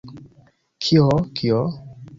Kio? Kio?